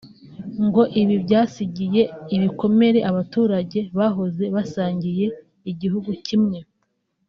ngo ibi byasigiye ibikomere abaturage bahoze basangiye igihugu kimwe